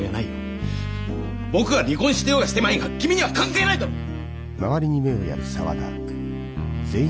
僕が離婚してようがしてまいが君には関係ないだろう！